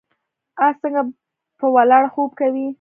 اس څنګه په ولاړه خوب کوي؟